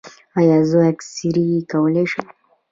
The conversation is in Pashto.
ایا زه اکسرې کولی شم؟